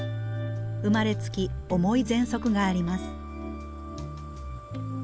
生まれつき重いぜんそくがあります。